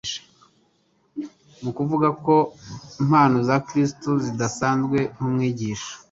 Mu kuvuga ku mpano za Kristo zidasanzwe nk’umwigisha,